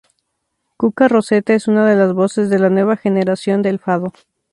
Cuca Roseta es una de las voces de la nueva generación del Fado.